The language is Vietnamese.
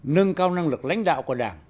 nâng cao năng lực lãnh đạo của đảng